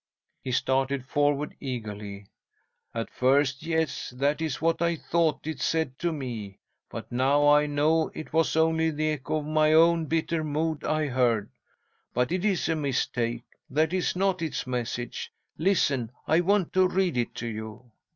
He started forward eagerly. "At first, yes, that is what I thought it said to me. But now I know it was only the echo of my own bitter mood I heard. But it is a mistake; that is not its message. Listen! I want to read it to you."